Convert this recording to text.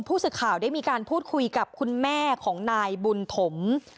ผู้สื่อข่าวได้มีการพูดคุยกับคุณแม่ของนายบุญถม